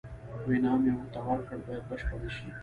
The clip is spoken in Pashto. او انعام یې ورته ورکړ باید بشپړ شي.